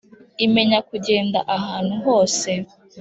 imenya kugenda ahantu hose